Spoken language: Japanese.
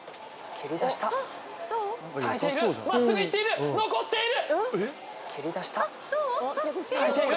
蹴りだした耐えているまっすぐいっている残っている！